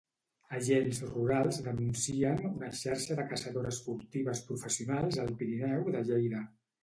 Agents Rurals denuncien una xarxa de caçadores furtives professionals al Pirineu de Lleida.